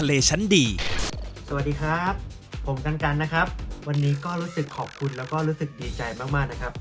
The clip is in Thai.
สวัสดีครับผมกันนะครับวันนี้ก็รู้สึกขอบคุณแล้วก็รู้สึกดีใจมากมากนะครับ